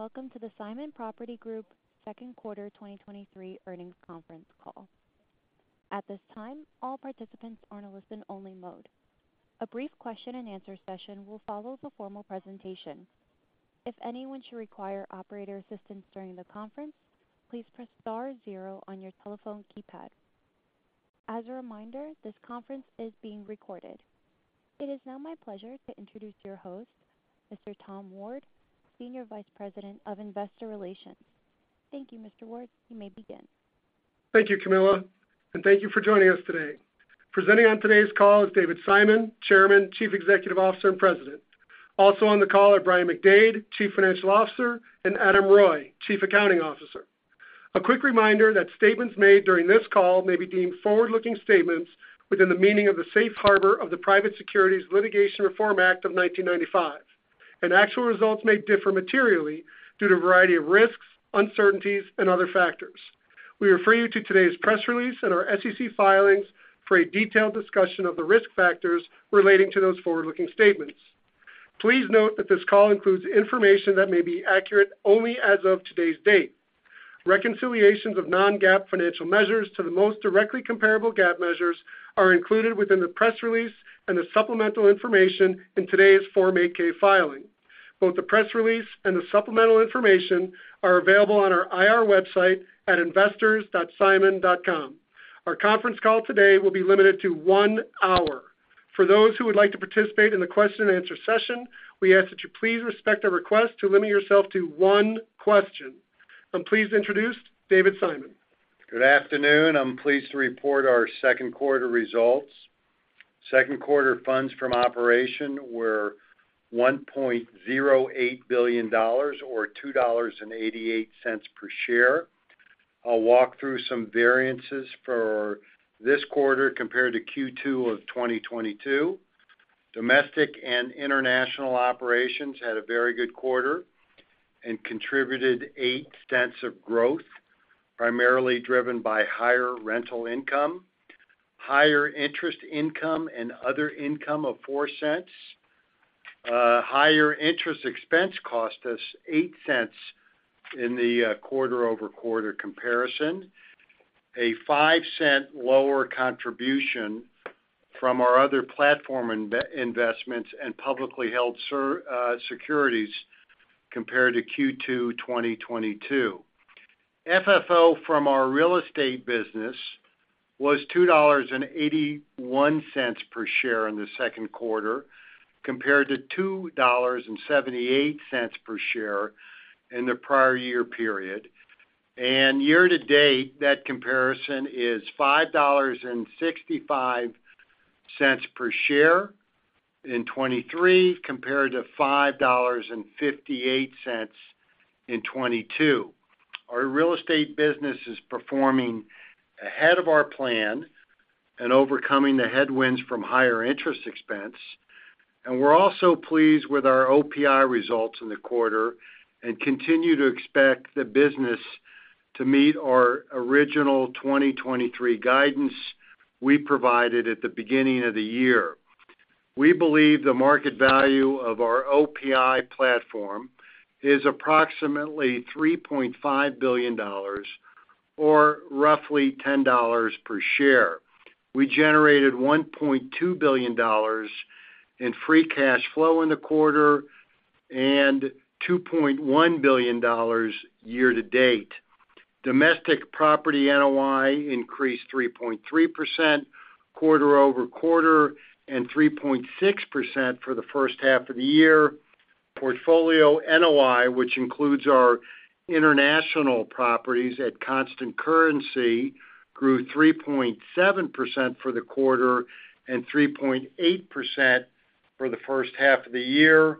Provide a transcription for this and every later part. Welcome to the Simon Property Group second quarter 2023 earnings conference call. At this time, all participants are in a listen-only mode. A brief question-and-answer session will follow the formal presentation. If anyone should require operator assistance during the conference, please press star zero on your telephone keypad. As a reminder, this conference is being recorded. It is now my pleasure to introduce your host, Mr. Tom Ward, Senior Vice President of Investor Relations. Thank you, Mr. Ward. You may begin. Thank you, Camilla. Thank you for joining us today. Presenting on today's call is David Simon, Chairman, Chief Executive Officer, and President. Also on the call are Brian McDade, Chief Financial Officer, and Adam Roy, Chief Accounting Officer. A quick reminder that statements made during this call may be deemed forward-looking statements within the meaning of the Safe Harbor of the Private Securities Litigation Reform Act of 1995. Actual results may differ materially due to a variety of risks, uncertainties, and other factors. We refer you to today's press release and our SEC filings for a detailed discussion of the risk factors relating to those forward-looking statements. Please note that this call includes information that may be accurate only as of today's date. Reconciliations of non-GAAP financial measures to the most directly comparable GAAP measures are included within the press release and the supplemental information in today's Form 8-K filing. Both the press release and the supplemental information are available on our IR website at investors.simon.com. Our conference call today will be limited to one hour. For those who would like to participate in the question-and-answer session, we ask that you please respect our request to limit yourself to one question. I'm pleased to introduce David Simon. Good afternoon. I'm pleased to report our second quarter results. Second quarter funds from operation were $1.08 billion or $2.88 per share. I'll walk through some variances for this quarter compared to Q2 of 2022. Domestic and international operations had a very good quarter and contributed $0.08 of growth, primarily driven by higher rental income, higher interest income, and other income of $0.04. Higher interest expense cost us $0.08 in the quarter-over-quarter comparison. A $0.05 lower contribution from our other platform investments and publicly held securities compared to Q2 2022. FFO from our real estate business was $2.81 per share in the second quarter, compared to $2.78 per share in the prior year period. Year to date, that comparison is $5.65 per share in 2023, compared to $5.58 in 2022. Our real estate business is performing ahead of our plan and overcoming the headwinds from higher interest expense, and we're also pleased with our OPI results in the quarter and continue to expect the business to meet our original 2023 guidance we provided at the beginning of the year. We believe the market value of our OPI platform is approximately $3.5 billion or roughly $10 per share. We generated $1.2 billion in free cash flow in the quarter and $2.1 billion year to date. Domestic property NOI increased 3.3% quarter-over-quarter and 3.6% for the first half of the year. Portfolio NOI, which includes our international properties at constant currency, grew 3.7% for the quarter and 3.8% for the first half of the year.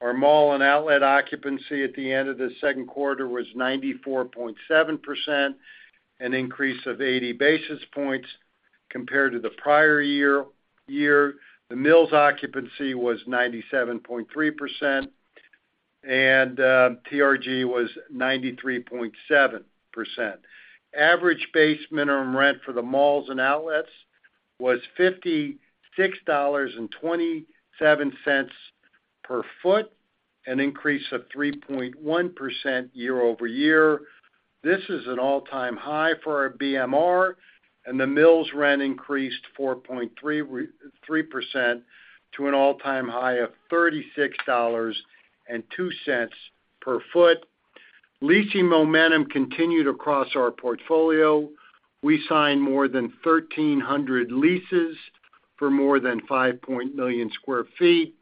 Our mall and outlet occupancy at the end of the second quarter was 94.7%, an increase of 80 basis points compared to the prior year. The Mills occupancy was 97.3%, and TRG was 93.7%. Average base minimum rent for the malls and outlets was $56.27 per foot, an increase of 3.1% year-over-year. This is an all-time high for our BMR, and The Mills rent increased 4.3% to an all-time high of $36.02 per foot. Leasing momentum continued across our portfolio. We signed more than 1,300 leases for more than 5 million sq ft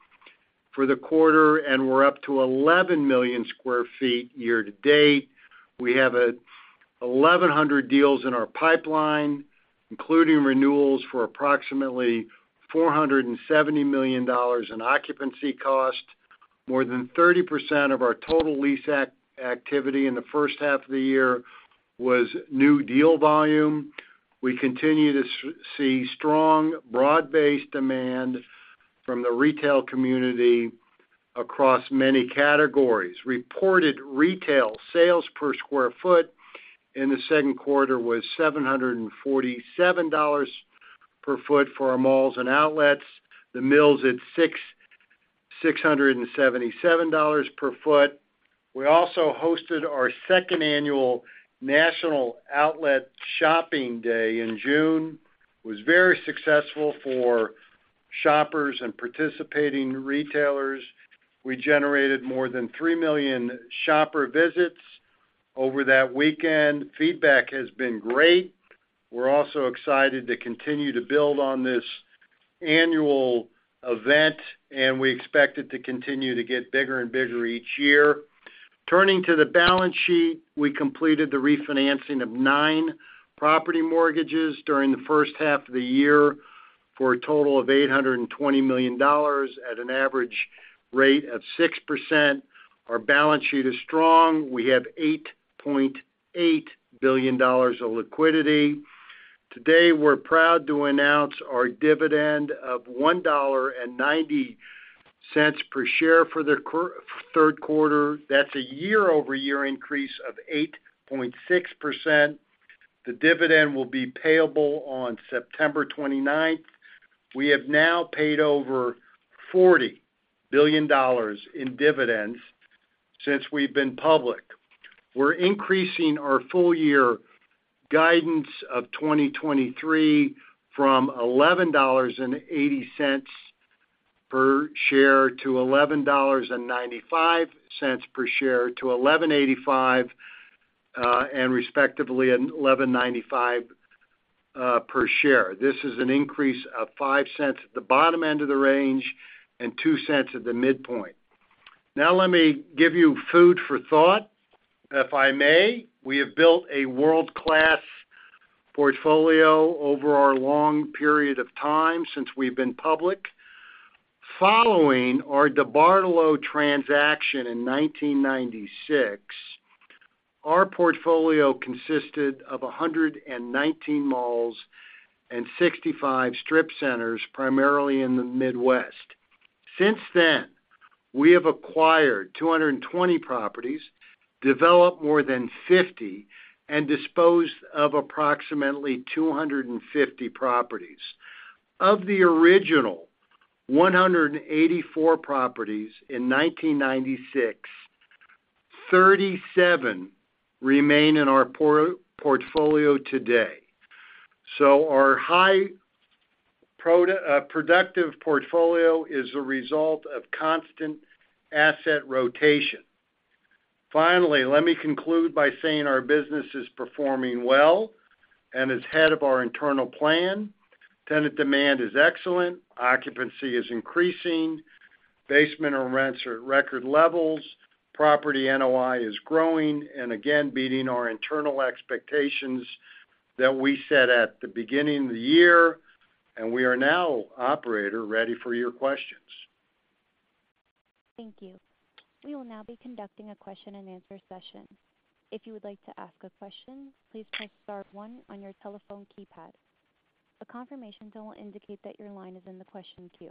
for the quarter, and we're up to 11 million sq ft year to date. We have 1,100 deals in our pipeline, including renewals for approximately $470 million in occupancy cost. More than 30% of our total lease activity in the first half of the year was new deal volume. We continue to see strong, broad-based demand from the retail community across many categories. Reported retail sales per square foot in the second quarter was $747 per foot for our malls and outlets, The Mills $677 per foot. We also hosted our second annual National Outlet Shopping Day in June, was very successful for shoppers and participating retailers. We generated more than 3 million shopper visits over that weekend. Feedback has been great. We're also excited to continue to build on this annual event, we expect it to continue to get bigger and bigger each year. Turning to the balance sheet, we completed the refinancing of nine property mortgages during the first half of the year for a total of $820 million at an average rate of 6%. Our balance sheet is strong. We have $8.8 billion of liquidity. Today, we're proud to announce our dividend of $1.90 per share for the third quarter. That's a year-over-year increase of 8.6%. The dividend will be payable on September 29th. We have now paid over $40 billion in dividends since we've been public. We're increasing our full year guidance of 2023 from $11.80 per share to $11.95 per share to $11.85, and respectively, $11.95 per share. This is an increase of $0.05 at the bottom end of the range and $0.02 at the midpoint. Let me give you food for thought, if I may. We have built a world-class portfolio over our long period of time since we've been public. Following our DeBartolo transaction in 1996, our portfolio consisted of 119 malls and 65 strip centers, primarily in the Midwest. Since then, we have acquired 220 properties, developed more than 50, and disposed of approximately 250 properties. Of the original 184 properties in 1996, 37 remain in our portfolio today. Our high productive portfolio is a result of constant asset rotation. Finally, let me conclude by saying our business is performing well and is ahead of our internal plan. Tenant demand is excellent, occupancy is increasing, base minimum rents are at record levels, property NOI is growing and again, beating our internal expectations that we set at the beginning of the year. We are now, operator, ready for your questions. Thank you. We will now be conducting a question-and-answer session. If you would like to ask a question, please press star one on your telephone keypad. A confirmation tone will indicate that your line is in the question queue.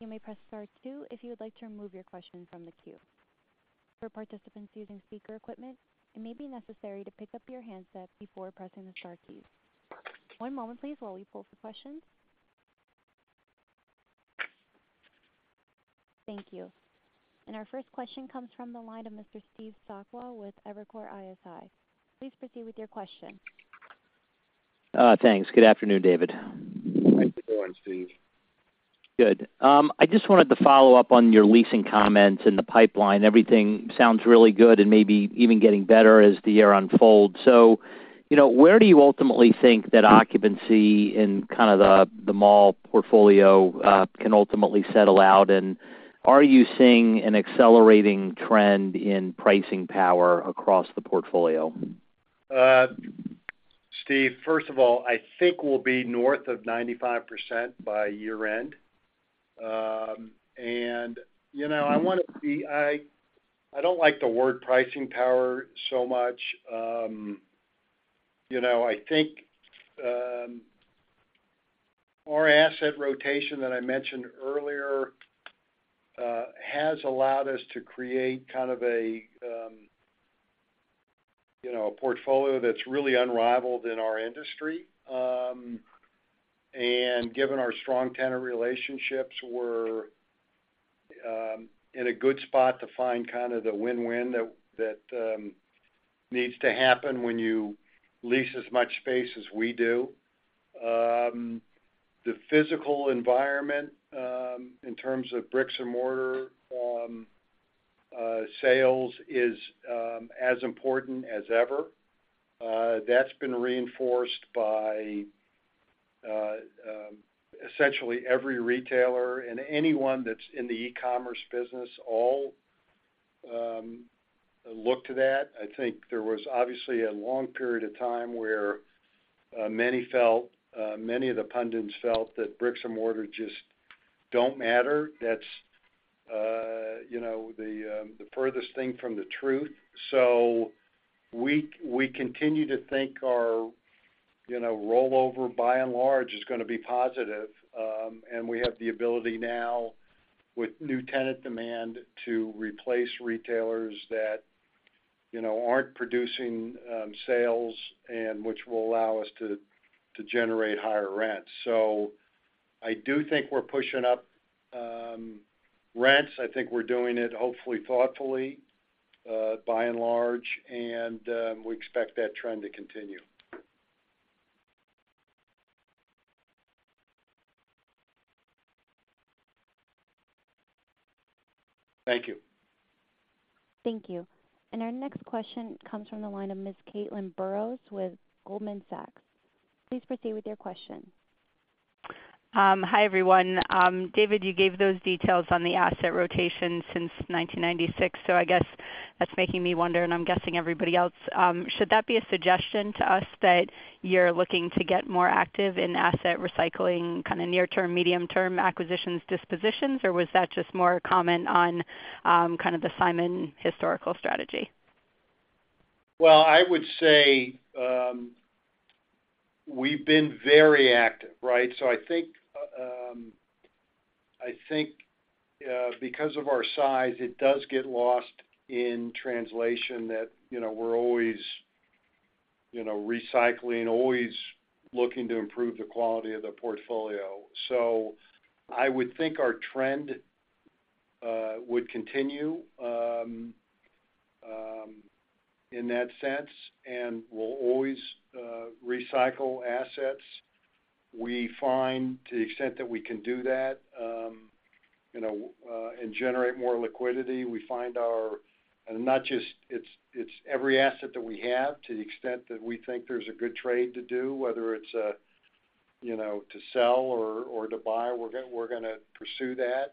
You may press star two if you would like to remove your question from the queue. For participants using speaker equipment, it may be necessary to pick up your handset before pressing the star keys. One moment, please, while we pull for questions. Thank you. Our first question comes from the line of Mr. Steve Sakwa with Evercore ISI. Please proceed with your question. Thanks. Good afternoon, David. Thank you for going, Steve. Good. I just wanted to follow up on your leasing comments and the pipeline. Everything sounds really good and maybe even getting better as the year unfolds. You know, where do you ultimately think that occupancy in kind of the, the mall portfolio, can ultimately settle out? Are you seeing an accelerating trend in pricing power across the portfolio? Steve, first of all, I think we'll be north of 95% by year-end. You know, I don't like the word pricing power so much. You know, I think our asset rotation that I mentioned earlier has allowed us to create kind of a, you know, a portfolio that's really unrivaled in our industry. Given our strong tenant relationships, we're in a good spot to find kind of the win-win that, that needs to happen when you lease as much space as we do. The physical environment, in terms of bricks and mortar, sales is as important as ever. That's been reinforced by, essentially every retailer and anyone that's in the e-commerce business, all look to that. I think there was obviously a long period of time where many felt many of the pundits felt that bricks and mortar just don't matter. That's, you know, the furthest thing from the truth. We, we continue to think our, you know, rollover, by and large, is gonna be positive. And we have the ability now, with new tenant demand, to replace retailers that... you know, aren't producing sales, and which will allow us to, to generate higher rents. I do think we're pushing up rents. I think we're doing it, hopefully thoughtfully, by and large, and we expect that trend to continue. Thank you. Thank you. Our next question comes from the line of Ms. Caitlin Burrows with Goldman Sachs. Please proceed with your question. Hi, everyone. David, you gave those details on the asset rotation since 1996. I guess that's making me wonder, and I'm guessing everybody else. Should that be a suggestion to us that you're looking to get more active in asset recycling, kind of near term, medium-term acquisitions, dispositions, or was that just more a comment on, kind of the Simon historical strategy? Well, I would say, we've been very active, right? I think, I think, because of our size, it does get lost in translation that, you know, we're always, you know, recycling, always looking to improve the quality of the portfolio. I would think our trend would continue in that sense, and we'll always recycle assets. We find, to the extent that we can do that, you know, and generate more liquidity, we find our-- and not just-- it's, it's every asset that we have, to the extent that we think there's a good trade to do, whether it's, you know, to sell or, or to buy, we're gonna, we're gonna pursue that.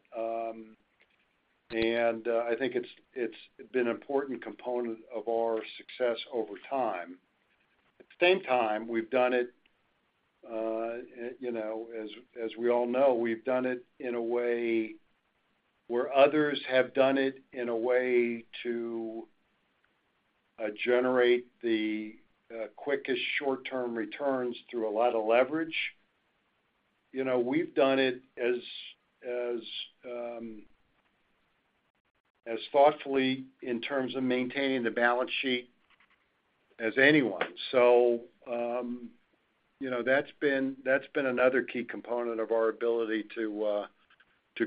I think it's, it's been an important component of our success over time. At the same time, we've done it, you know, as, as we all know, we've done it in a way where others have done it in a way to generate the quickest short-term returns through a lot of leverage. You know, we've done it as, as thoughtfully in terms of maintaining the balance sheet as anyone. You know, that's been, that's been another key component of our ability to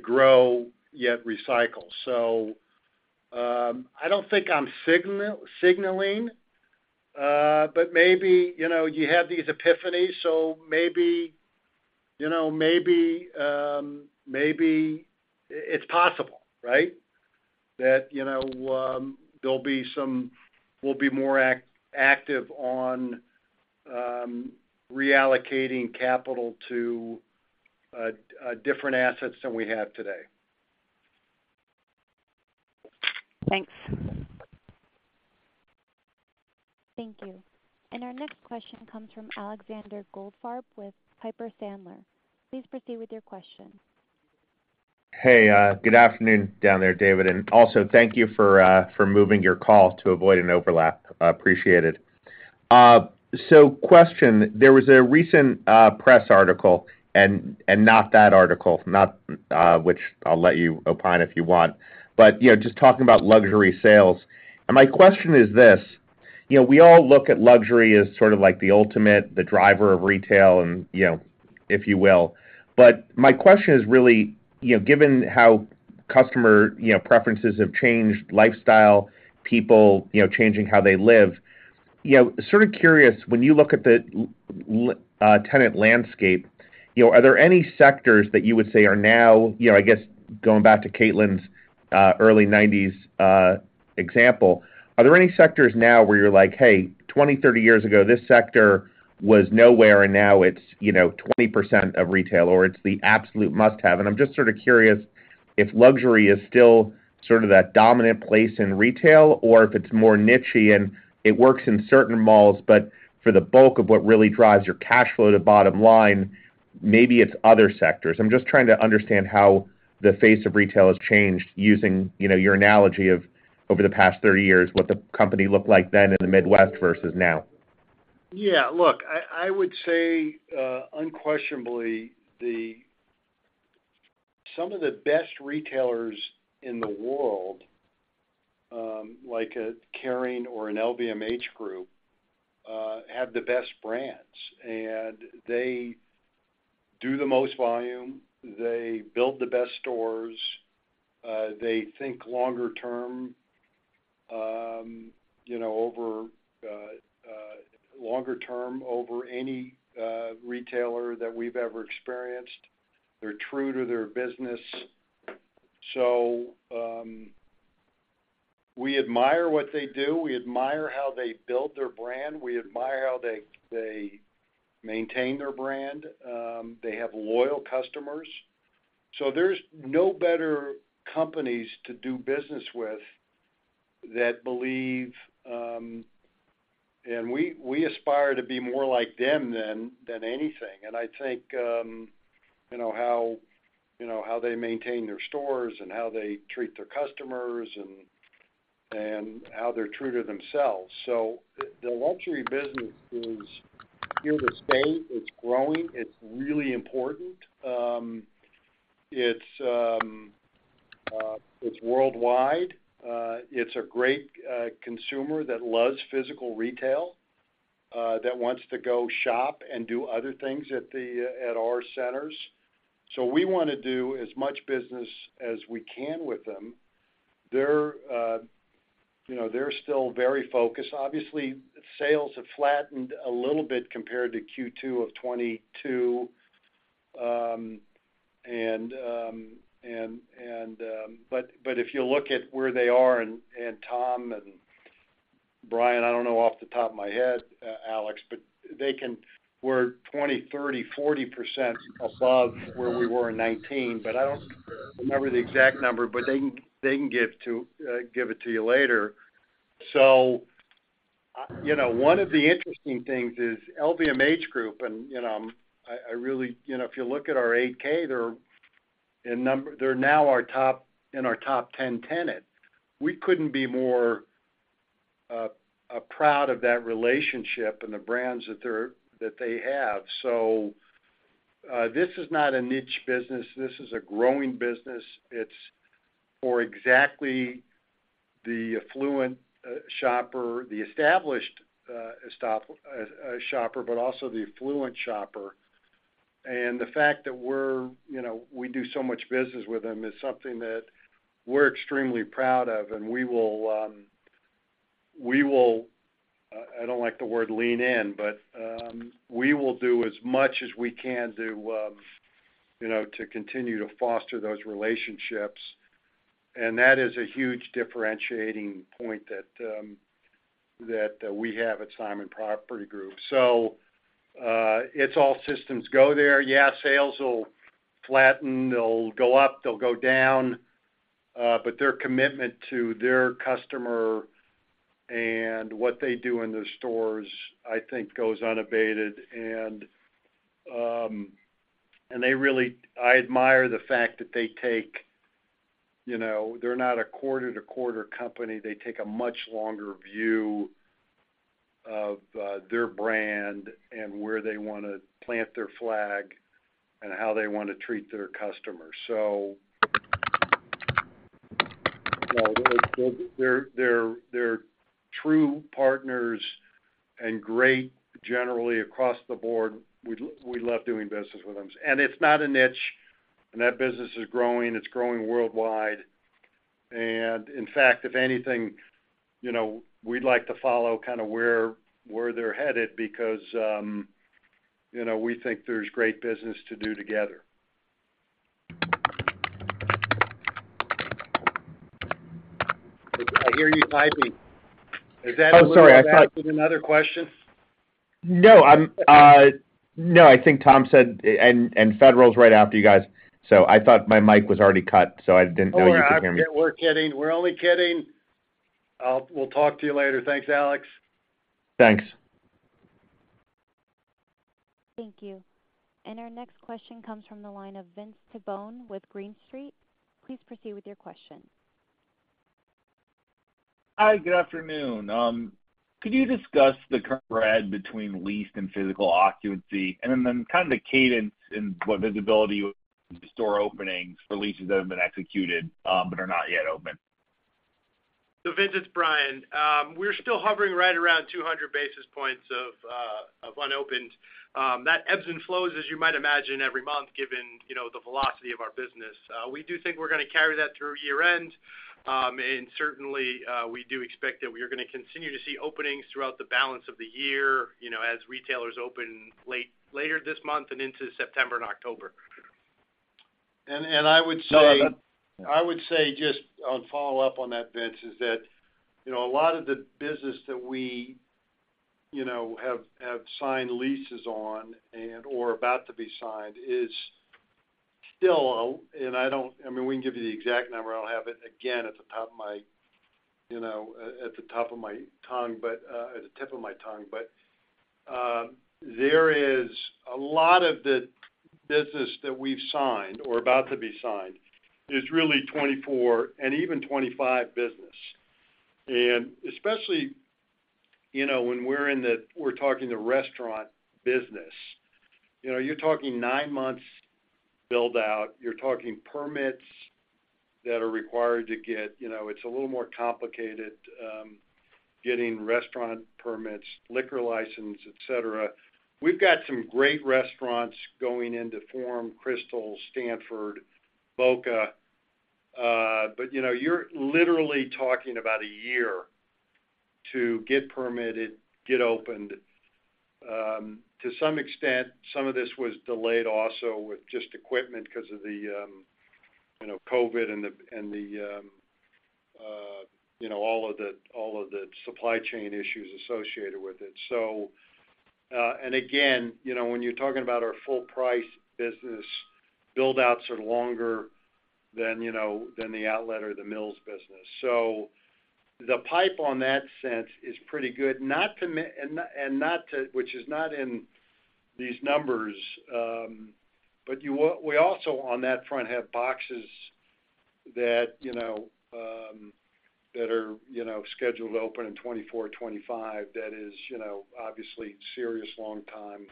grow, yet recycle. I don't think I'm signal- signaling, but maybe, you know, you have these epiphanies, so maybe, you know, maybe i- it's possible, right? That, you know, there'll be some... We'll be more act- active on reallocating capital to different assets than we have today. Thanks. Thank you. Our next question comes from Alexander Goldfarb, with Piper Sandler. Please proceed with your question. Hey, good afternoon down there, David. Also thank you for moving your call to avoid an overlap. I appreciate it. Question, there was a recent press article, and not that article, not, which I'll let you opine if you want, but, you know, just talking about luxury sales. My question is this: you know, we all look at luxury as sort of like the ultimate, the driver of retail and, you know, if you will, but my question is really, you know, given how customer, you know, preferences have changed, lifestyle, people, you know, changing how they live, you know, sort of curious, when you look at the l- tenant landscape, you know, are there any sectors that you would say are now, you know, I guess, going back to Caitlin's early 1990s example, are there any sectors now where you're like, "Hey, 20, 30 years ago, this sector was nowhere, and now it's, you know, 20% of retail, or it's the absolute must-have." I'm just sort of curious if luxury is still sort of that dominant place in retail, or if it's more nichey and it works in certain malls, but for the bulk of what really drives your cash flow to bottom line, maybe it's other sectors. I'm just trying to understand how the face of retail has changed using, you know, your analogy of over the past 30 years, what the company looked like then in the Midwest versus now. Yeah, look, I, I would say, unquestionably, some of the best retailers in the world, like a Kering or an LVMH group, have the best brands. They do the most volume. They build the best stores. They think longer term, you know, over longer term over any retailer that we've ever experienced. They're true to their business. We admire what they do. We admire how they build their brand. We admire how they maintain their brand. They have loyal customers. There's no better companies to do business with that believe. We aspire to be more like them than anything. I think, you know, how, you know, how they maintain their stores and how they treat their customers and how they're true to themselves. The, the luxury business is here to stay, it's growing, it's really important. It's worldwide. It's a great consumer that loves physical retail, that wants to go shop and do other things at our centers. We wanna do as much business as we can with them. They're, you know, they're still very focused. Obviously, sales have flattened a little bit compared to Q2 2022. But if you look at where they are, and Tom and Brian, I don't know off the top of my head, Alex, but they can. We're 20%, 30%, 40% above where we were in 2019, but I don't remember the exact number, but they can, they can give it to you later. You know, one of the interesting things is LVMH group, and, you know, if you look at our 8-K, they're in number, they're now our top, in our top 10 tenants. We couldn't be more proud of that relationship and the brands that they're, that they have. This is not a niche business, this is a growing business. It's for exactly the affluent shopper, the established shopper, but also the affluent shopper. The fact that we're, you know, we do so much business with them is something that we're extremely proud of, and we will, we will, I don't like the word lean in, but we will do as much as we can to, you know, to continue to foster those relationships. That is a huge differentiating point that we have at Simon Property Group. It's all systems go there. Yeah, sales will flatten, they'll go up, they'll go down, but their commitment to their customer and what they do in their stores, I think, goes unabated. They really, I admire the fact that they take... You know, they're not a quarter-to-quarter company. They take a much longer view of their brand and where they wanna plant their flag and how they want to treat their customers. No, they're, they're, they're true partners and great, generally, across the board. We love doing business with them. It's not a niche, and that business is growing, it's growing worldwide. In fact, if anything, you know, we'd like to follow kind of where, where they're headed because, you know, we think there's great business to do together. I hear you typing. Oh, sorry, I thought- Is that a little back with another question? No, I'm, no, I think Tom said, "And, and Federal's right after you guys." I thought my mic was already cut, so I didn't know you could hear me. We're kidding. We're only kidding. We'll talk to you later. Thanks, Alex. Thanks. Thank you. Our next question comes from the line of Vince Tibone with Green Street. Please proceed with your question. Hi, good afternoon. Could you discuss the current spread between leased and physical occupancy, and then, kind of the cadence and what visibility store openings for leases that have been executed, but are not yet open? Vince, it's Brian. We're still hovering right around 200 basis points of unopened. That ebbs and flows, as you might imagine, every month, given, you know, the velocity of our business. We do think we're gonna carry that through year-end. And certainly, we do expect that we are gonna continue to see openings throughout the balance of the year, you know, as retailers open later this month and into September and October. I would say- Go ahead. I would say, just on follow-up on that, Vince, is that, you know, a lot of the business that we, you know, have, have signed leases on and/or about to be signed is still. I don't-- I mean, we can give you the exact number. I'll have it again at the top of my, you know, at the top of my tongue, but at the tip of my tongue. There is a lot of the business that we've signed or about to be signed, is really 2024 and even 2025 business. Especially, you know, when we're in the-- we're talking the restaurant business, you know, you're talking nine months build out, you're talking permits that are required to get... You know, it's a little more complicated, getting restaurant permits, liquor license, et cetera. We've got some great restaurants going into Forum, Crystal, Stanford, Boca, you know, you're literally talking about one year to get permitted, get opened. To some extent, some of this was delayed also with just equipment because of the, you know, COVID and the, and the, you know, all of the, all of the supply chain issues associated with it. And again, you know, when you're talking about our full price business, build outs are longer than, you know, than the outlet or The Mills business. The pipe on that sense is pretty good. Which is not in these numbers, we also, on that front, have boxes that, you know, that are, you know, scheduled to open in 2024, 2025, that is, you know, obviously serious, long time,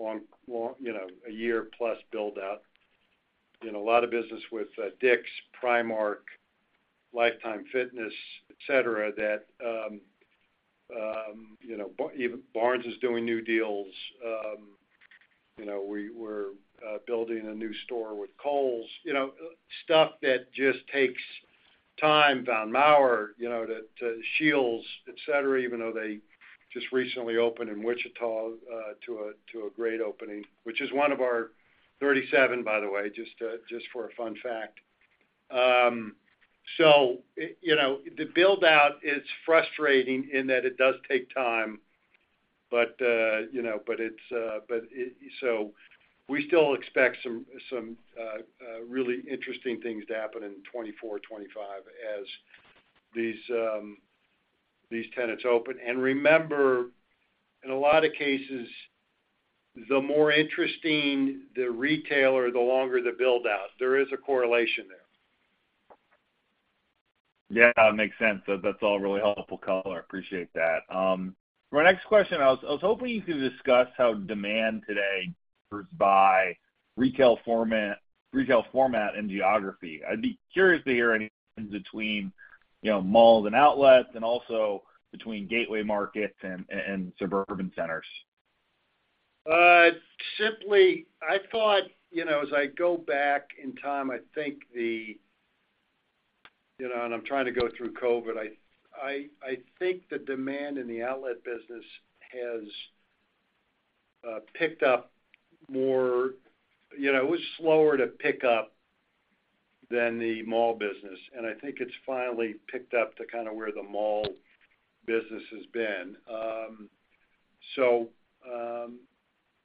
long, long, you know, one year plus build out. You know, a lot of business with Primark, Life Time, et cetera, that, you know, even Barnes is doing new deals. You know, we're building a new store with Kohl's, you know, stuff that just takes time, Von Maur, you know, to, to Scheels, et cetera, even though they just recently opened in Wichita, to a, to a great opening, which is one of our 37, by the way, just for a fun fact. You know, the build out is frustrating in that it does take time, but, you know, but it's, but it. We still expect some, some, really interesting things to happen in 2024, 2025 as these, these tenants open. Remember, in a lot of cases, the more interesting the retailer, the longer the build out. There is a correlation there. Yeah, makes sense. That's all really helpful color. Appreciate that. My next question, I was hoping you could discuss how demand today differs by retail format, retail format, and geography. I'd be curious to hear any between, you know, malls and outlets, and also between gateway markets and suburban centers. Simply, I thought, you know, as I go back in time. You know, I'm trying to go through COVID. I think the demand in the outlet business has picked up more, you know, it was slower to pick up than the mall business, and I think it's finally picked up to kind of where the mall business has been.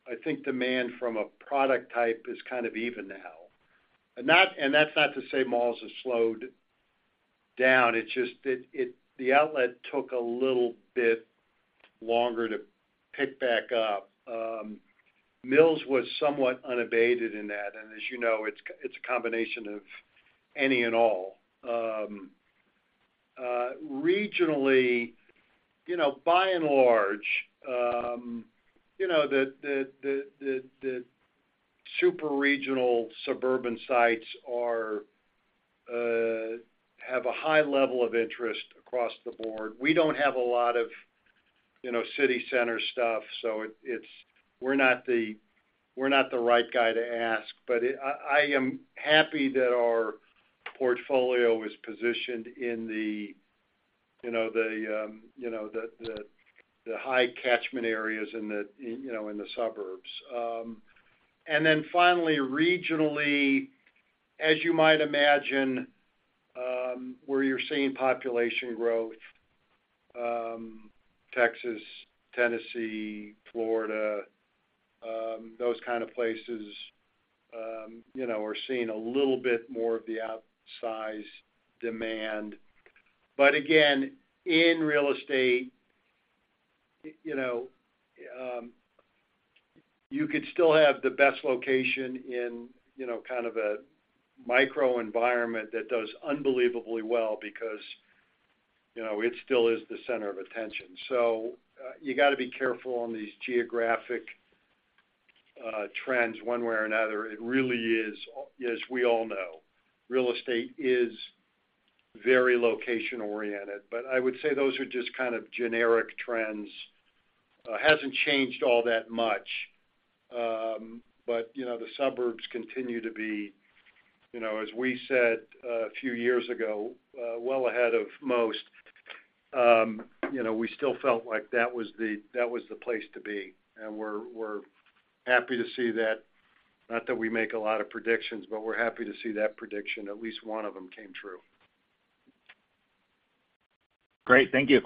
I think demand from a product type is kind of even now. That's not to say malls have slowed down, it's just the outlet took a little bit longer to pick back up. Mills was somewhat unabated in that. As you know, it's a combination of any and all. Regionally, you know, by and large, you know, the, the, the, the, the super regional suburban sites are have a high level of interest across the board. We don't have a lot of, you know, city center stuff, so it, it's, we're not the, we're not the right guy to ask. It, I, I am happy that our portfolio is positioned in the, you know, the, you know, the, the, the high catchment areas in the, you know, in the suburbs. Then finally, regionally, as you might imagine, where you're seeing population growth, Texas, Tennessee, Florida, those kind of places, you know, are seeing a little bit more of the outsized demand. Again, in real estate, you know, you could still have the best location in, you know, kind of a microenvironment that does unbelievably well because, you know, it still is the center of attention. You got to be careful on these geographic trends one way or another. It really is, as we all know, real estate is very location-oriented. I would say those are just kind of generic trends. Hasn't changed all that much. The suburbs continue to be, you know, as we said, a few years ago, well ahead of most. You know, we still felt like that was the, that was the place to be, and we're, we're happy to see that. Not that we make a lot of predictions, but we're happy to see that prediction, at least one of them came true. Great. Thank you.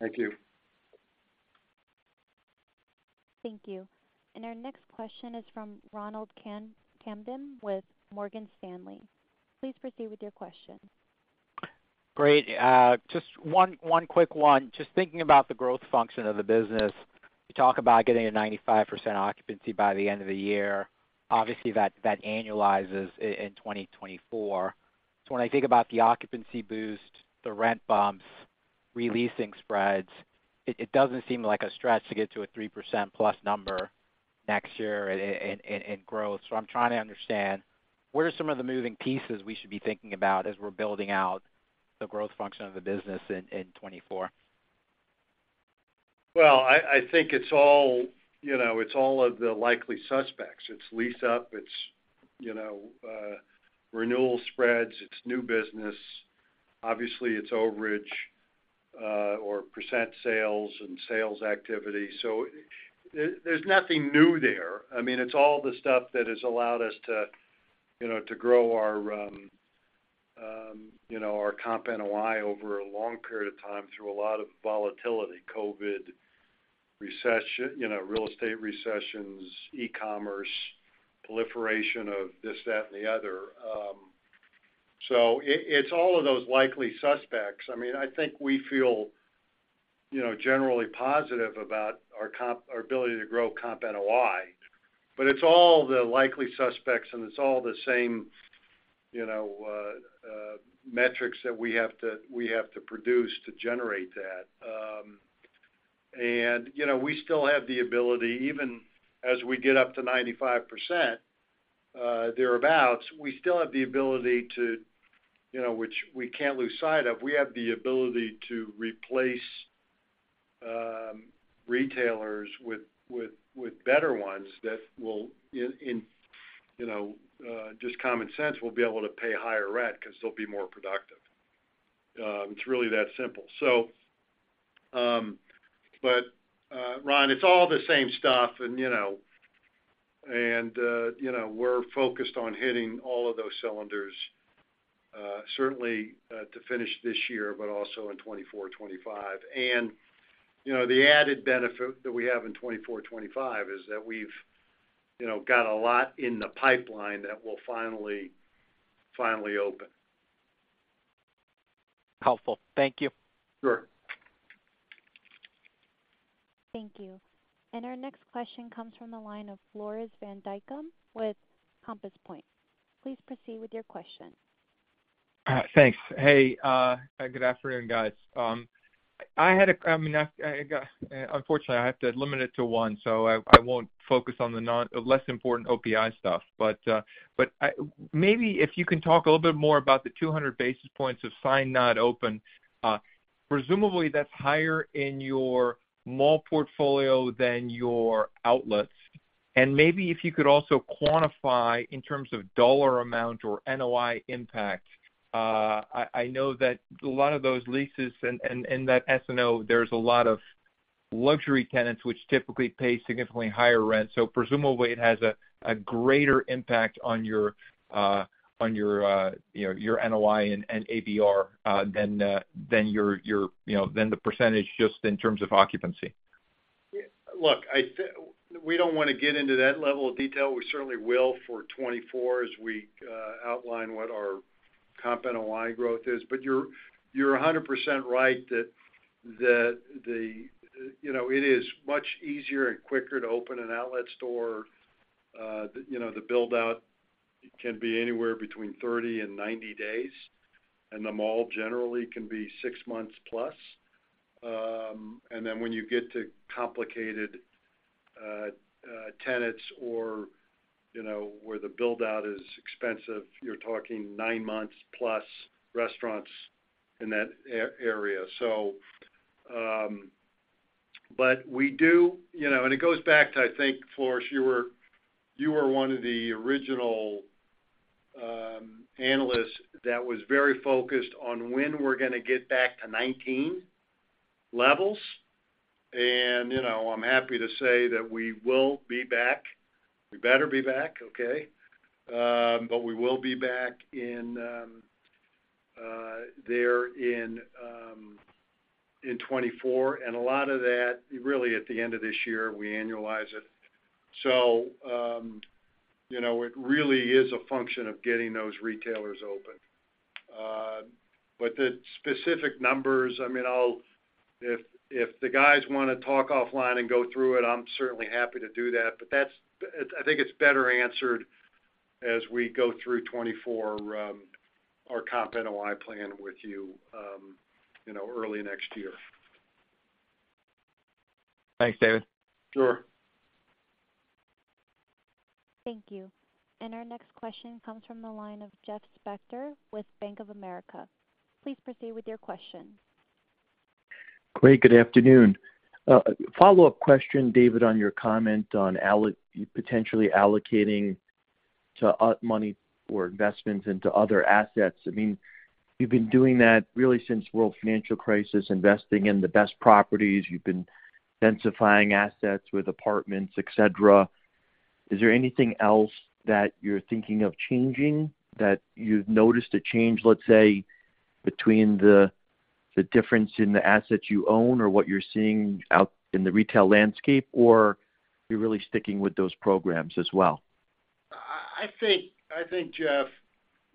Thank you. Thank you. Our next question is from Ronald Kamdem with Morgan Stanley. Please proceed with your question. Great. Just one, one quick one. Just thinking about the growth function of the business. You talk about getting a 95% occupancy by the end of the year. Obviously, that, that annualizes in 2024. When I think about the occupancy boost, the rent bumps, re-leasing spreads, it, it doesn't seem like a stretch to get to a 3%+ number next year in growth. I'm trying to understand, what are some of the moving pieces we should be thinking about as we're building out the growth function of the business in 2024? Well, I, I think it's all, you know, it's all of the likely suspects. It's lease up, it's, you know, renewal spreads, it's new business. Obviously, it's overage, or percent sales and sales activity. There, there's nothing new there. I mean, it's all the stuff that has allowed us to, you know, to grow our, you know, our comp NOI over a long period of time through a lot of volatility, COVID, recession, you know, real estate recessions, e-commerce, proliferation of this, that, and the other. It's all of those likely suspects. I mean, I think we feel, you know, generally positive about our comp, our ability to grow comp NOI. It's all the likely suspects, and it's all the same, you know, metrics that we have to, we have to produce to generate that. You know, we still have the ability, even as we get up to 95%, thereabouts, we still have the ability to, you know, which we can't lose sight of, we have the ability to replace retailers with, with, with better ones that will, in, in, you know, just common sense, will be able to pay higher rent because they'll be more productive. It's really that simple. Ron, it's all the same stuff, and, you know, we're focused on hitting all of those cylinders, certainly, to finish this year, but also in 2024, 2025. You know, the added benefit that we have in 2024, 2025 is that we've, you know, got a lot in the pipeline that will finally, finally open. Helpful. Thank you. Sure. Thank you. Our next question comes from the line of Floris van Dijkum with Compass Point. Please proceed with your question. Thanks. Hey, good afternoon, guys. Unfortunately, I have to limit it to one, so I won't focus on the less important OPI stuff. Maybe if you can talk a little bit more about the 200 basis points of signed, not open, presumably that's higher in your mall portfolio than your outlets. Maybe if you could also quantify in terms of dollar amount or NOI impact. I know that a lot of those leases and, and, and that SNO, there's a lot of luxury tenants, which typically pay significantly higher rent. Presumably, it has a greater impact on your, on your, you know, your NOI and ABR, than, than your, you know, than the percentage just in terms of occupancy. Look, I th-- we don't want to get into that level of detail. We certainly will for 2024 as we outline what our comp NOI growth is. You're, you're 100% right, that, that the, you know, it is much easier and quicker to open an outlet store, the, you know, the build out can be anywhere between 30 and 90 days, and the mall generally can be six months plus. And then when you get to complicated tenants or, you know, where the build out is expensive, you're talking nine months plus restaurants in that ar- area. But we do. You know, and it goes back to, I think, Floris, you were, you were one of the original analysts that was very focused on when we're gonna get back to 2019 levels. You know, I'm happy to say that we will be back. We better be back, okay? We will be back in there in 2024, and a lot of that, really, at the end of this year, we annualize it. You know, it really is a function of getting those retailers open. The specific numbers, I mean, I'll if, if the guys wanna talk offline and go through it, I'm certainly happy to do that. That's I think it's better answered as we go through 2024, our comp NOI plan with you, you know, early next year. Thanks, David. Sure. Thank you. Our next question comes from the line of Jeff Spector with Bank of America. Please proceed with your question. Great. Good afternoon. A follow-up question, David, on your comment on potentially allocating money or investments into other assets. I mean, you've been doing that really since world financial crisis, investing in the best properties. You've been densifying assets with apartments, et cetera. Is there anything else that you're thinking of changing, that you've noticed a change, let's say, between the difference in the assets you own or what you're seeing out in the retail landscape, or you're really sticking with those programs as well? I think, Jeff,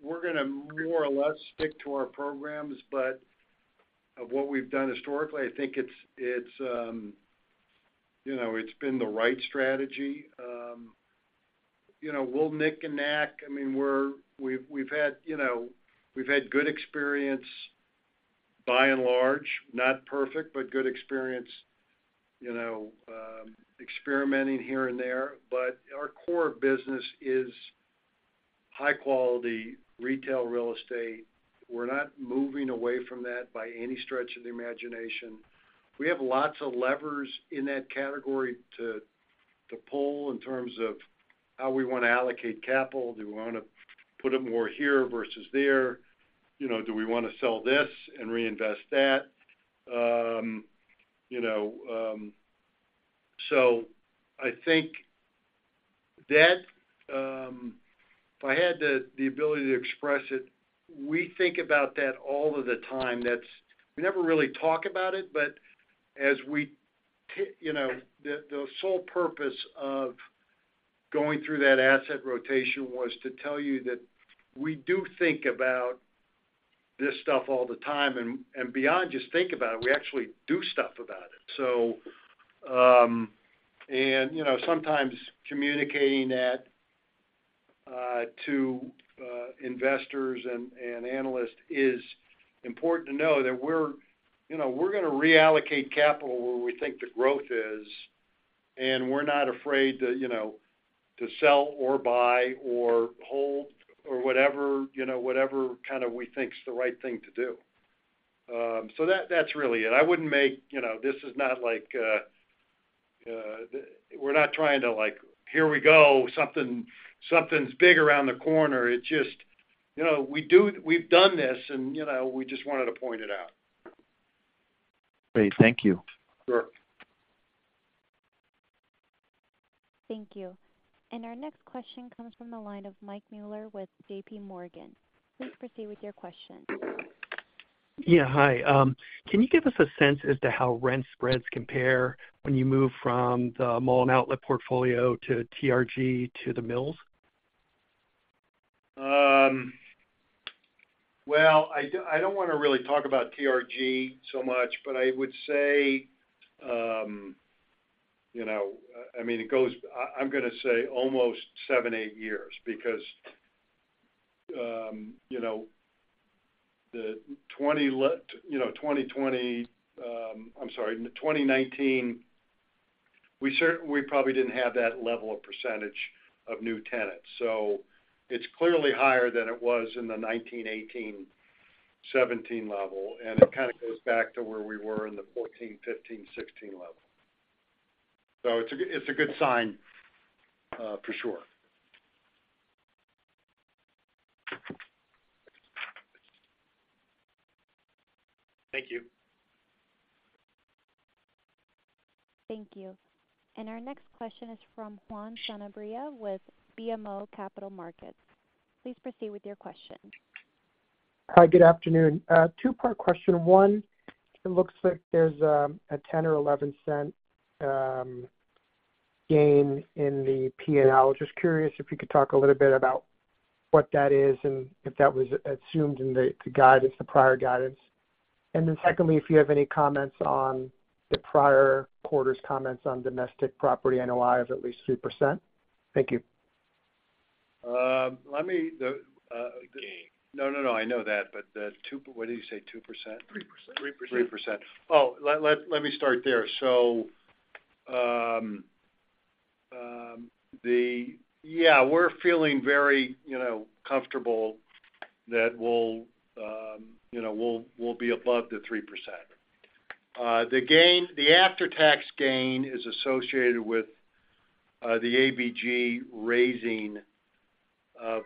we're gonna more or less stick to our programs. What we've done historically, I think it's, you know, it's been the right strategy. You know, we'll nick and knack. I mean, we've, we've had, you know, we've had good experience, by and large, not perfect, but good experience, you know, experimenting here and there. Our core business is high-quality retail real estate. We're not moving away from that by any stretch of the imagination. We have lots of levers in that category to, to pull in terms of how we wanna allocate capital. Do we wanna put it more here versus there? You know, do we wanna sell this and reinvest that? You know, I think that, if I had the, the ability to express it, we think about that all of the time. That's. We never really talk about it, but as we, you know, the, the sole purpose of going through that asset rotation was to tell you that we do think about this stuff all the time, beyond just think about it, we actually do stuff about it. You know, sometimes communicating that to investors and analysts is important to know that we're, you know, we're gonna reallocate capital where we think the growth is, we're not afraid to, you know, to sell or buy or hold or whatever, you know, whatever kind of we think is the right thing to do. That, that's really it. I wouldn't make, you know, this is not like, we're not trying to like, here we go, something, something's big around the corner. It just, you know, we've done this, and, you know, we just wanted to point it out. Great. Thank you. Sure. Thank you. Our next question comes from the line of Mike Mueller with JPMorgan. Please proceed with your question. Yeah, hi. Can you give us a sense as to how rent spreads compare when you move from the mall and outlet portfolio to TRG to The Mills? Well, I don't wanna really talk about TRG so much, but I would say, you know, I mean, it goes, I'm gonna say almost seven, eight years. Because, you know, the 2020, I'm sorry, in the 2019, we probably didn't have that level of percentage of new tenants. it's clearly higher than it was in the 1918, 1917 level, and it kind of goes back to where we were in the 2014, 2015, 2016 level. it's a, it's a good sign, for sure. Thank you. Thank you. Our next question is from Juan Sanabria with BMO Capital Markets. Please proceed with your question. Hi, good afternoon. Two-part question. One, it looks like there's a $0.10 or $0.11 gain in the P&L. Just curious if you could talk a little bit about what that is and if that was assumed in the guidance, the prior guidance? Secondly, if you have any comments on the prior quarter's comments on domestic property NOI of at least 3%? Thank you. Um, let me, the, uh- Gain. No, no, no, I know that, but the two... What did you say? 2%? 3%. 3%. 3%. Oh, let, let, let me start there. Yeah, we're feeling very, you know, comfortable that we'll, you know, we'll, we'll be above the 3%. The gain, the after-tax gain is associated with the ABG raising of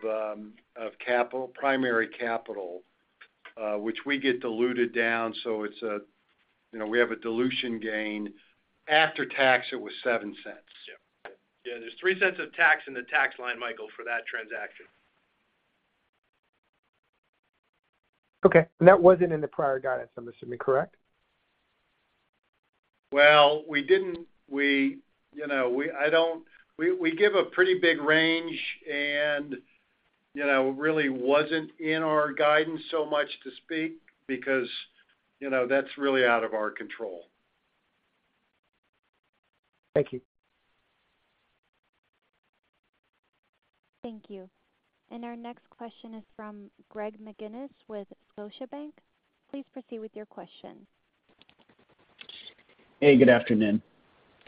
capital, primary capital, which we get diluted down, so it's a, you know, we have a dilution gain. After tax, it was $0.07. Yeah. Yeah, there's $0.03 of tax in the tax line, Michael, for that transaction. Okay. That wasn't in the prior guidance, I'm assuming, correct? Well, we, you know, we, we give a pretty big range and, you know, really wasn't in our guidance so much to speak because, you know, that's really out of our control. Thank you. Thank you. Our next question is from Greg McGinniss with Scotiabank. Please proceed with your question. Hey, good afternoon.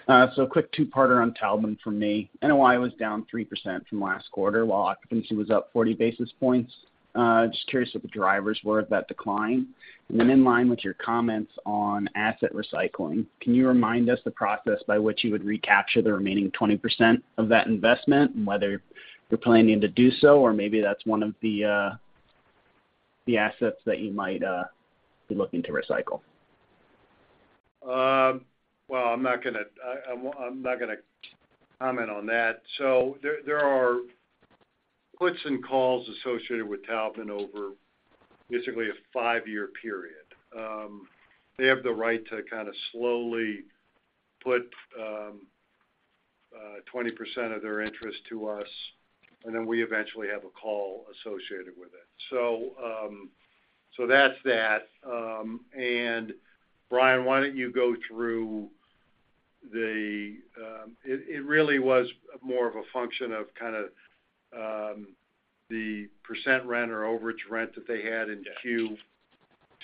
Quick two-parter on Taubman from me. NOI was down 3% from last quarter, while occupancy was up 40 basis points. Just curious what the drivers were of that decline. In line with your comments on asset recycling, can you remind us the process by which you would recapture the remaining 20% of that investment? Whether you're planning to do so, or maybe that's one of the, the assets that you might be looking to recycle. Well, I'm not gonna, I'm, I'm not gonna comment on that. There, there are puts and calls associated with Taubman over basically a five-year period. They have the right to kind of slowly put 20% of their interest to us, and then we eventually have a call associated with it. That's that. Brian, why don't you go through the... It, it really was more of a function of kind of the percent rent or overage rent that they had in- Yeah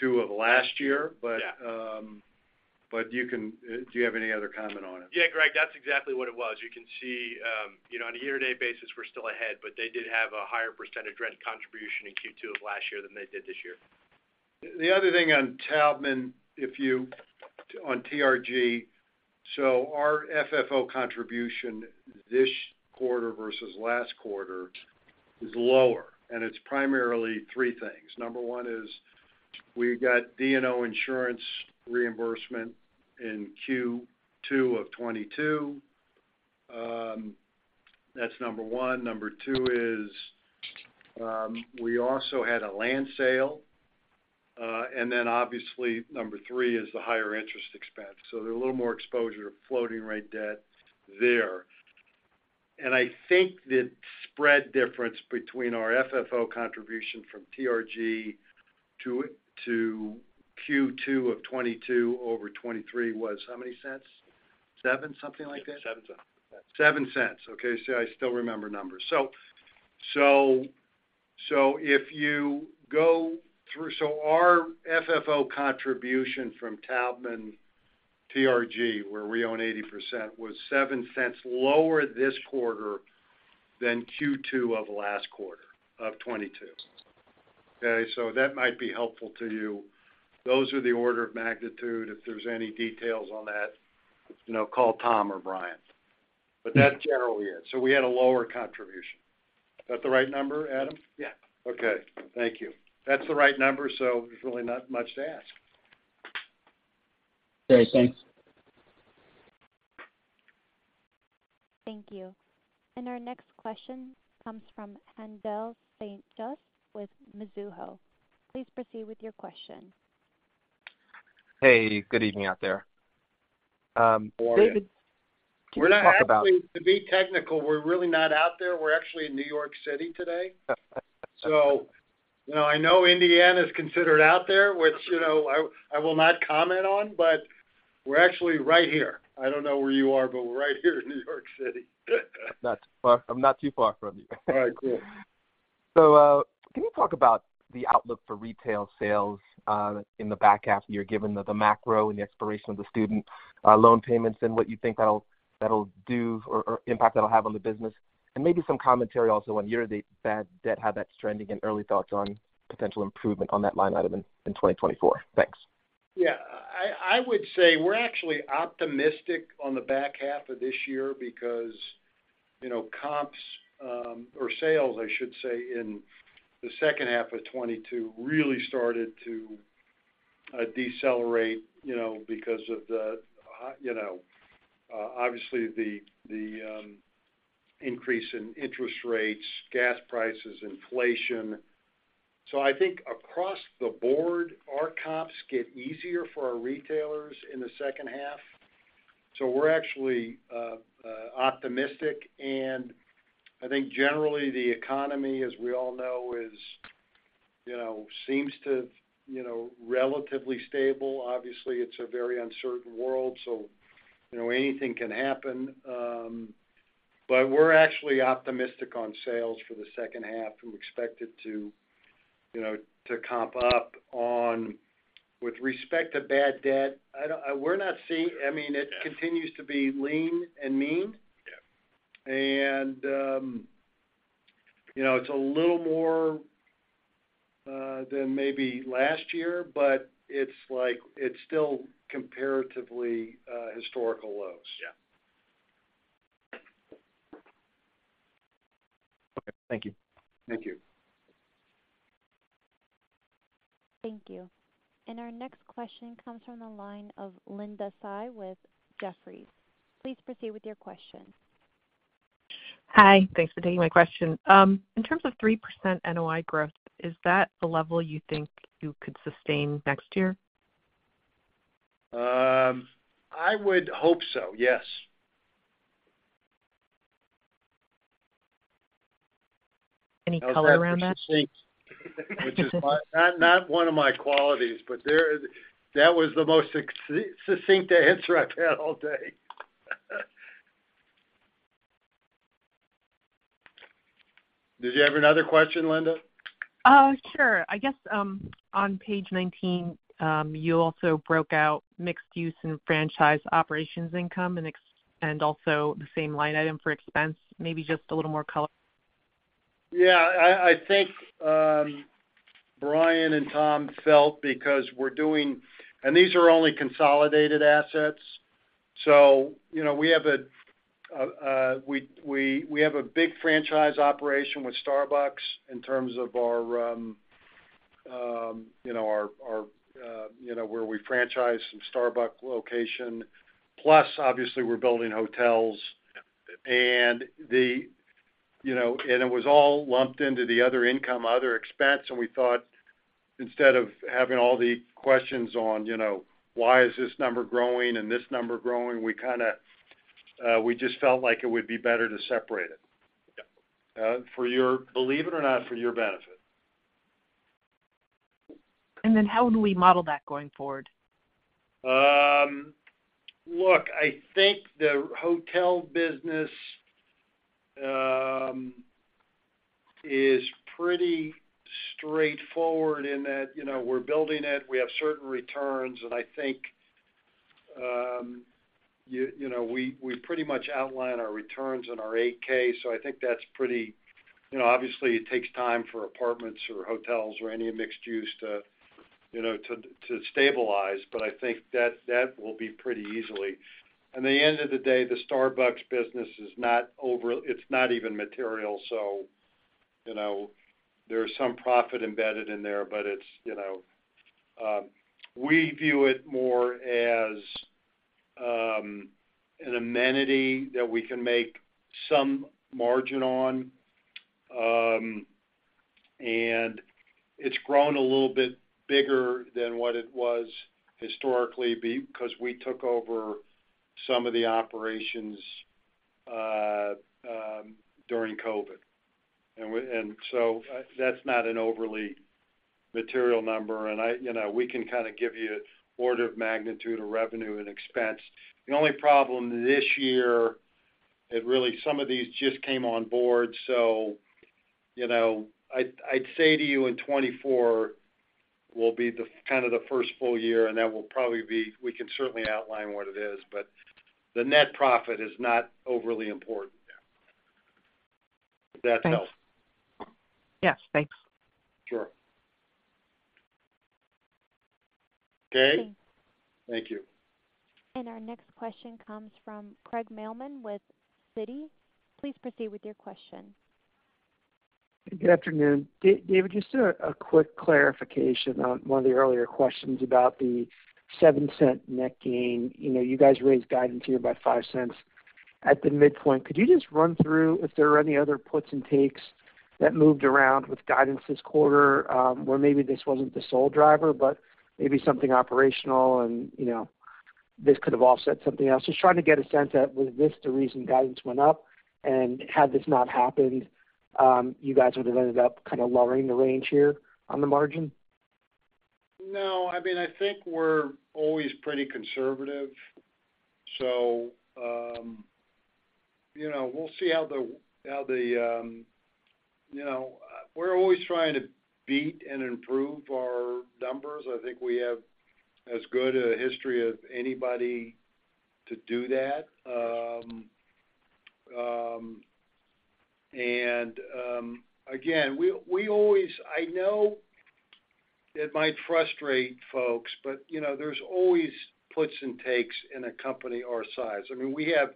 Q2 of last year. Yeah. Do you have any other comment on it? Yeah, Greg, that's exactly what it was. You can see, you know, on a year-to-date basis, we're still ahead, but they did have a higher percentage rent contribution in Q2 of last year than they did this year. The other thing on Taubman, on TRG, our FFO contribution this quarter versus last quarter is lower, and it's primarily three things. Number one is, we got D&O insurance reimbursement in Q2 of 2022. That's number one. Number two is, we also had a land sale, obviously, number three is the higher interest expense. There's a little more exposure to floating rate debt there. I think the spread difference between our FFO contribution from TRG to Q2 of 2022 over 2023 was how many cents? $0.07, something like that? Yeah, $0.07. $0.07. Okay, see, I still remember numbers. Our FFO contribution from Taubman TRG, where we own 80%, was $0.07 lower this quarter than Q2 of last quarter, of 2022. That might be helpful to you. Those are the order of magnitude. If there's any details on that, you know, call Tom or Brian. That's generally it. We had a lower contribution. Is that the right number, Adam? Yeah. Okay, thank you. That's the right number. There's really not much to ask. Okay, thanks. Thank you. Our next question comes from Haendel St. Juste with Mizuho. Please proceed with your question. Hey, good evening out there. Good morning. Can you talk about- We're not actually... To be technical, we're really not out there. We're actually in New York City today. You know, I know Indiana is considered out there, which, you know, I, I will not comment on, but we're actually right here. I don't know where you are, but we're right here in New York City. I'm not too far from you. All right, cool. Can you talk about the outlook for retail sales in the back half of the year, given that the macro and the expiration of the student loan payments, and what you think that'll do or impact that'll have on the business, and maybe some commentary also on year-to-date bad debt, how that's trending, and early thoughts on potential improvement on that line item in 2024? Thanks. Yeah. I, I would say we're actually optimistic on the back half of this year because, you know, comps, or sales, I should say, in the second half of 2022, really started to decelerate, you know, because of the, you know, obviously, the, the, increase in interest rates, gas prices, inflation. I think across the board, our comps get easier for our retailers in the second half. We're actually optimistic, and I think generally, the economy, as we all know, is, you know, seems to, you know, relatively stable. Obviously, it's a very uncertain world, so, you know, anything can happen. We're actually optimistic on sales for the second half. We expect it to, you know, to comp up on... With respect to bad debt, we're not seeing, I mean, it continues to be lean and mean. Yeah. you know, it's a little more than maybe last year, but it's like, it's still comparatively historical lows. Yeah. Okay, thank you. Thank you. Thank you. Our next question comes from the line of Linda Tsai with Jefferies. Please proceed with your question. Hi, thanks for taking my question. In terms of 3% NOI growth, is that the level you think you could sustain next year? I would hope so, yes. Any color around that? Which is not, not one of my qualities. There, that was the most succinct answer I've had all day. Did you have another question, Linda? Sure. I guess, on page 19, you also broke out mixed use and franchise operations income and also the same line item for expense. Maybe just a little more color. Yeah, I, I think Brian McDade and Tom Ward felt because we're doing. These are only consolidated assets, so you know, we have a big franchise operation with Starbucks in terms of our, you know, our, you know, where we franchise some Starbucks location, plus, obviously, we're building hotels. You know, and it was all lumped into the other income, other expense, and we thought instead of having all the questions on, you know, why is this number growing and this number growing, we kinda, we just felt like it would be better to separate it. Yeah. For your, believe it or not, for your benefit. Then how would we model that going forward? Look, I think the hotel business is pretty straightforward in that, you know, we're building it, we have certain returns, and I think, you, you know, we, we pretty much outline our returns in our 8-K, so I think that's pretty. You know, obviously, it takes time for apartments or hotels or any mixed use to, you know, to stabilize, but I think that that will be pretty easily. In the end of the day, the Starbucks business is not over. It's not even material, so, you know, there's some profit embedded in there, but it's, you know, we view it more as an amenity that we can make some margin on. And it's grown a little bit bigger than what it was historically because we took over some of the operations during COVID. That's not an overly material number. I, you know, we can kind of give you order of magnitude of revenue and expense. The only problem this year, it really, some of these just came on board, so, you know, I'd say to you in 2024 will be the kind of the first full year, and that will probably be, we can certainly outline what it is, but the net profit is not overly important. If that helps? Yes, thanks. Sure. Okay. Thank you. Our next question comes from Craig Mailman with Citi. Please proceed with your question. Good afternoon. Da-David, just a, a quick clarification on one of the earlier questions about the $0.07 net gain. You know, you guys raised guidance here by $0.05 at the midpoint. Could you just run through if there were any other puts and takes that moved around with guidance this quarter, where maybe this wasn't the sole driver, but maybe something operational and, you know, this could have offset something else? Just trying to get a sense that, was this the reason guidance went up, and had this not happened, you guys would have ended up kind of lowering the range here on the margin? No, I mean, I think we're always pretty conservative. You know, we'll see how the, how the... You know, we're always trying to beat and improve our numbers. I think we have as good a history as anybody to do that. And, again, we, we always I know it might frustrate folks, but, you know, there's always puts and takes in a company our size. I mean, we have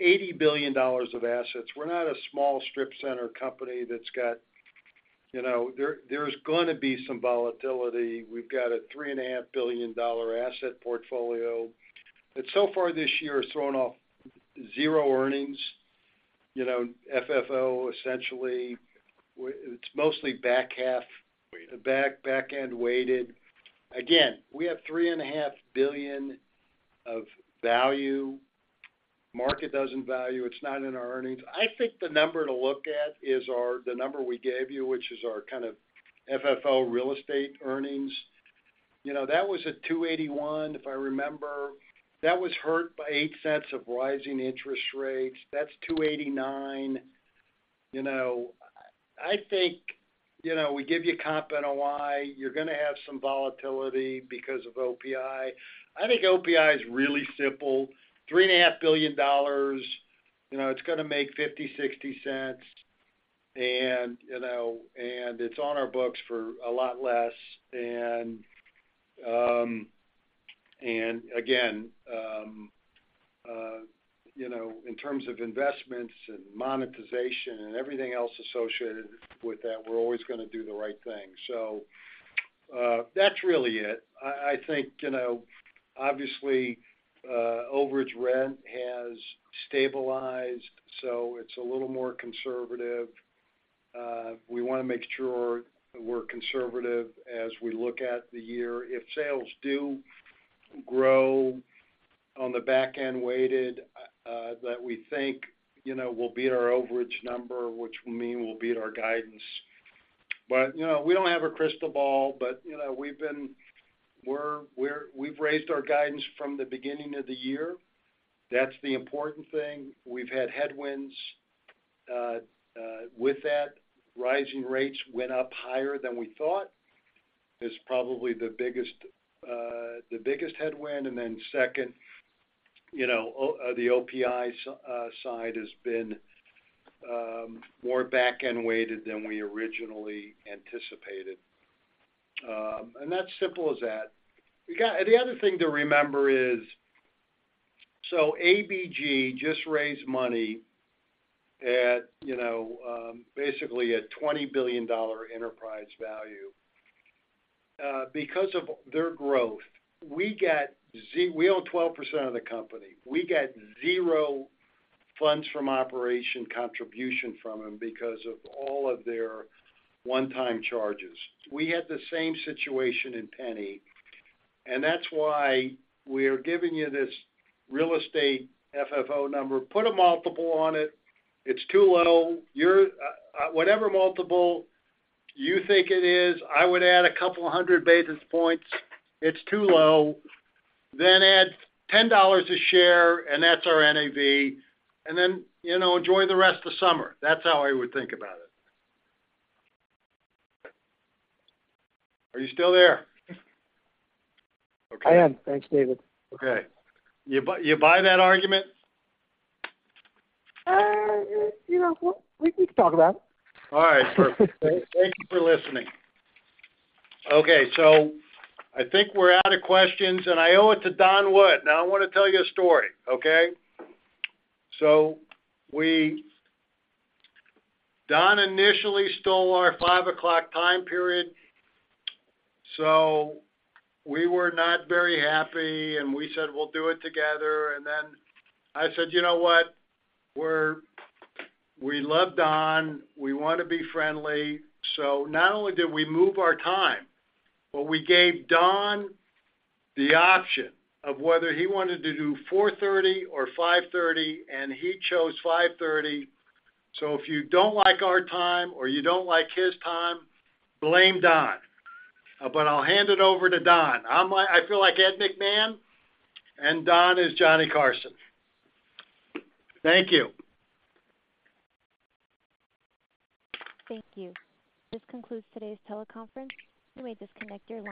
$80 billion of assets. We're not a small strip center company that's got... You know, there, there's gonna be some volatility. We've got a $3.5 billion asset portfolio, that so far this year, has thrown off zero earnings. You know, FFO, essentially, it's mostly back half, back, back-end weighted. Again, we have $3.5 billion of value. Market doesn't value, it's not in our earnings. I think the number to look at is our the number we gave you, which is our kind of FFO real estate earnings. You know, that was at $2.81, if I remember. That was hurt by $0.08 of rising interest rates. That's $2.89. You know, I think, you know, we give you comp NOI, you're gonna have some volatility because of OPI. I think OPI is really simple. $3.5 billion, you know, it's gonna make $0.50-$0.60, you know, and it's on our books for a lot less. Again, you know, in terms of investments and monetization and everything else associated with that, we're always gonna do the right thing. That's really it. I think, you know, obviously, overage rent has stabilized, so it's a little more conservative. We wanna make sure we're conservative as we look at the year. If sales do grow on the back-end weighted, that we think, you know, we'll beat our overage number, which will mean we'll beat our guidance. You know, we don't have a crystal ball, but, you know, we've been, we're, we're-- we've raised our guidance from the beginning of the year. That's the important thing. We've had headwinds. With that, rising rates went up higher than we thought, is probably the biggest, the biggest headwind, and then second, you know, the OPI side has been more back-end weighted than we originally anticipated. That's simple as that. The other thing to remember is, ABG just raised money at, you know, basically a $20 billion enterprise value, because of their growth. We own 12% of the company. We get 0 FFO contribution from them because of all of their one-time charges. We had the same situation in Penny, that's why we are giving you this real estate FFO number. Put a multiple on it. It's too low. Your Whatever multiple you think it is, I would add a couple hundred basis points. It's too low. Add $10 a share, and that's our NAV, and then, you know, enjoy the rest of the summer. That's how I would think about it. Are you still there? Okay. I am. Thanks, David. Okay. You buy that argument? You know, we, we can talk about it. All right, perfect. Thank you for listening. I think we're out of questions, and I owe it to Don Wood. I want to tell you a story, okay? Don initially stole our 5:00 time period, so we were not very happy, and we said, we'll do it together. I said: You know what? we love Don. We want to be friendly. Not only did we move our time, but we gave Don the option of whether he wanted to do 4:30 or 5:30, and he chose 5:30. If you don't like our time or you don't like his time, blame Don. I'll hand it over to Don. I'm like, I feel like Ed McMahon, and Don is Johnny Carson. Thank you. Thank you. This concludes today's teleconference. You may disconnect your line.